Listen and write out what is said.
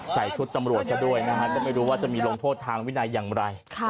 ใส่ชุดตำรวจซะด้วยนะฮะก็ไม่รู้ว่าจะมีลงโทษทางวินัยอย่างไร